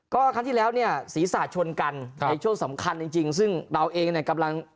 ก็ครั้งที่แล้วเนี่ยศีรษะชนกันในช่วงสำคัญจริงซึ่งเราเองเนี่ยกำลัง